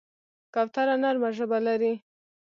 کوتره نرمه ژبه لري.